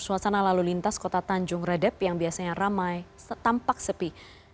suasana lalu lintas kota tanjung redep yang biasanya ramai tampak sepi